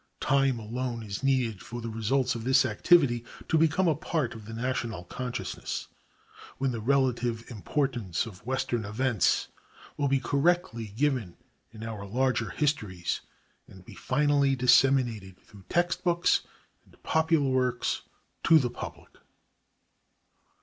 Time alone is needed for the results of this activity to become a part of the national consciousness, when the relative importance of western events will be correctly given in our larger histories and be finally disseminated through text books and popular works to the public.